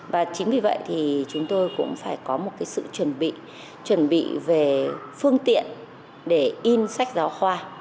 và chính vì vậy chúng tôi cũng phải có một sự chuẩn bị về phương tiện để in sách giáo khoa